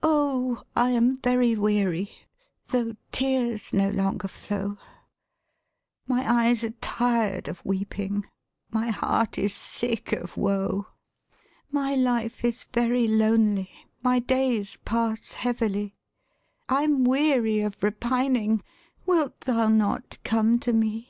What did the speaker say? Oh, I am very weary, Though tears no longer flow; My eyes are tired of weeping, My heart is sick of woe; My life is very lonely My days pass heavily, I'm weary of repining; Wilt thou not come to me?